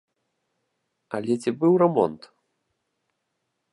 Але ці быў рамонт?